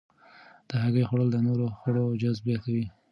د هګۍ خوړل د نورو خوړو جذب زیاتوي.